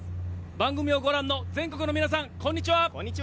番組をご覧の全国の皆さんこんにちは！